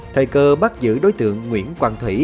thầy cơ bắt giữ đối tượng nguyễn quang thủy